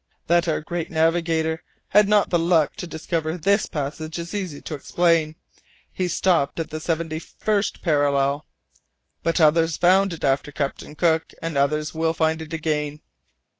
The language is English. That our great navigator had not the luck to discover this passage is easy to explain; he stopped at the seventy first parallel! But others found it after Captain Cook, and others will find it again."